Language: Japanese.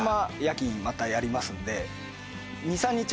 またやりますんで。